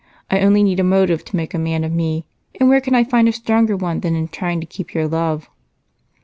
I only need a motive to make a man of me, and where can I find a stronger one than in trying to keep your love?"